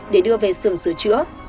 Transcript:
để đưa về xưởng sửa chữa